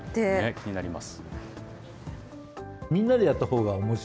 気になります。